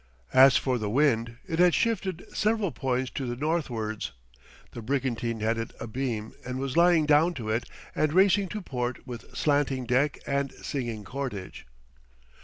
As for the wind, it had shifted several points to the northwards; the brigantine had it abeam and was lying down to it and racing to port with slanting deck and singing cordage.